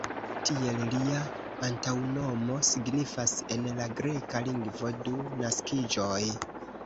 Tiel lia antaŭnomo signifas en la greka lingvo "du naskiĝoj".